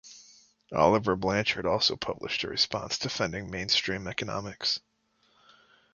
Olivier Blanchard also published a response defending mainstream economics.